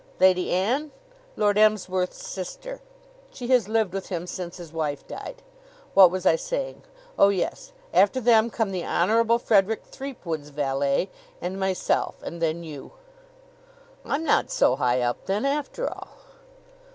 "Lady Ann? Lord Emsworth's sister. She has lived with him since his wife died. What was I saying? Oh, yes! After them come the honorable Frederick Threepwood's valet and myself and then you." "I'm not so high up then, after all?"